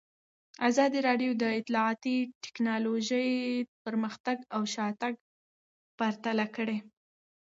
ازادي راډیو د اطلاعاتی تکنالوژي پرمختګ او شاتګ پرتله کړی.